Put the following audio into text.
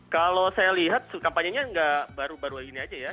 kalau saya lihat kampanyenya nggak baru baru ini aja ya